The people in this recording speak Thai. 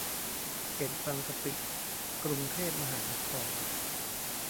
เขตบางกะปิ กรุงเทพมหานคร